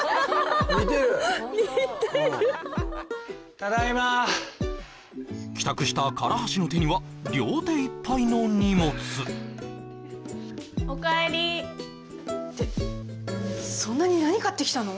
似てるただいま帰宅した唐橋の手には両手いっぱいの荷物おかえりってそんなに何買ってきたの？